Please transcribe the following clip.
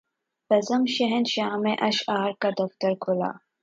بزم شاہنشاہ میں اشعار کا دفتر کھلا